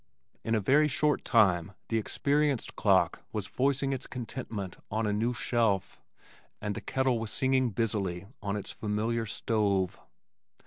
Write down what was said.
In a very short time the experienced clock was voicing its contentment on a new shelf, and the kettle was singing busily on its familiar stove.